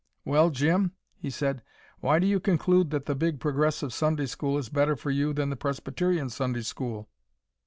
"Well, Jim," he said, "why do you conclude that the Big Progressive Sunday school is better for you than the Presbyterian Sunday school?"